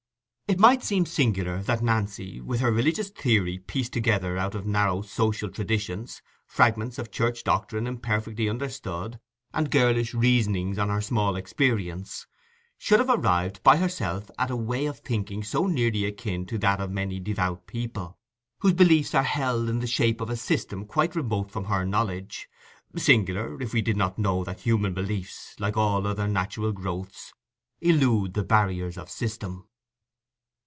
It might seem singular that Nancy—with her religious theory pieced together out of narrow social traditions, fragments of church doctrine imperfectly understood, and girlish reasonings on her small experience—should have arrived by herself at a way of thinking so nearly akin to that of many devout people, whose beliefs are held in the shape of a system quite remote from her knowledge—singular, if we did not know that human beliefs, like all other natural growths, elude the barriers of system.